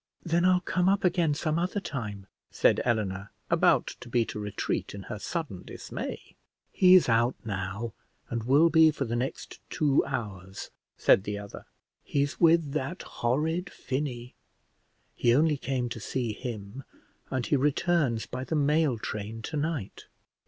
"Then I'll come up again some other time," said Eleanor, about to beat a retreat in her sudden dismay. "He's out now, and will be for the next two hours," said the other; "he's with that horrid Finney; he only came to see him, and he returns by the mail train tonight."